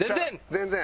全然！